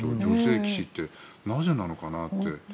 女性棋士ってなぜなのかなって。